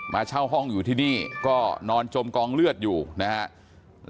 เช่าห้องอยู่ที่นี่ก็นอนจมกองเลือดอยู่นะครับ